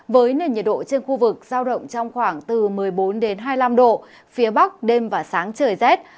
với nền nhiệt độ trên khu vực giao động trong khoảng từ một mươi bốn đến hai mươi năm độ phía bắc đêm và sáng trời rét